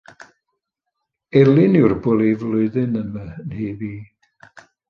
Elin yw'r bwli'r flwyddyn yn fy nhyb i